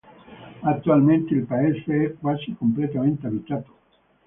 Attualmente il paese è quasi completamente abitato.